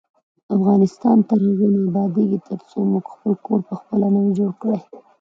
افغانستان تر هغو نه ابادیږي، ترڅو موږ خپل کور پخپله نه وي جوړ کړی.